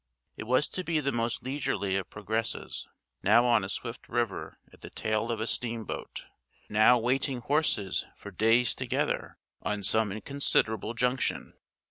It was to be the most leisurely of progresses, now on a swift river at the tail of a steam boat, now waiting horses for days together on some inconsiderable junction.